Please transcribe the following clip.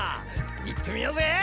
行ってみようぜ！